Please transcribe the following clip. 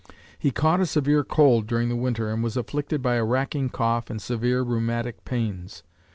He caught a severe cold during the winter and was afflicted by a racking cough and severe rheumatic pains.